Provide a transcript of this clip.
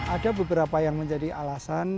ada beberapa yang menjadi alasan